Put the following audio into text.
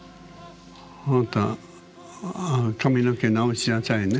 あなた髪の毛直しなさいね。